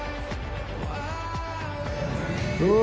うわ。